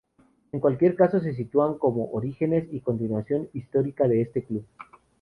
En cualquier caso, se sitúan como orígenes y continuación histórica de este club.